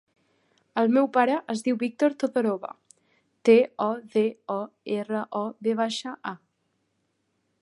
El meu pare es diu Víctor Todorova: te, o, de, o, erra, o, ve baixa, a.